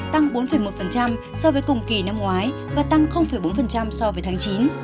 tăng bốn một so với cùng kỳ năm ngoái và tăng bốn so với tháng chín